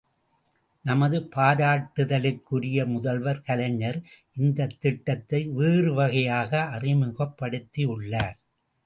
நமது பாராட்டுதலுக்குரிய முதல்வர் கலைஞர் இந்தத் திட்டத்தை வேறுவகையாக அறிமுகப்படுத்தியுள்ளார்.